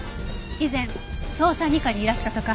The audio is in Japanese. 以前捜査二課にいらしたとか。